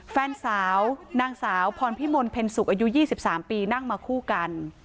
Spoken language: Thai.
แฟนสาวนางสาวพรพิมลเพ็ญสุขอายุ๒๓ปีนั่งมาคู่กัน